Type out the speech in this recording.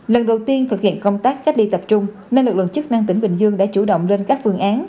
lần đầu tiên thực hiện công tác cách ly tập trung nên lực lượng chức năng tỉnh bình dương đã chủ động lên các phương án